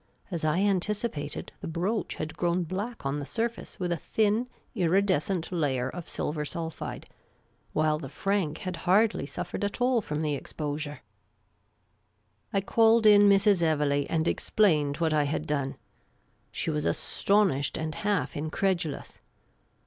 As I antici pated, the brooch had grown black on the surface with a thin iridescent layer of silver sulphide, while the franc had hardly suffered at all from the exposure. I called in Mrs. Evelegh, and explained what I had done. She was astonished and half incredulous.